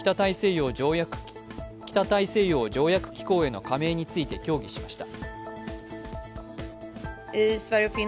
ＮＡＴＯ＝北大西洋条約機構への加盟について協議しました。